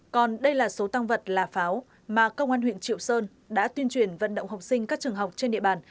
còn đây là số tăng vật là pháo mà công an huyện triệu sơn đã tuyên truyền vận động học sinh các trường học trên địa bàn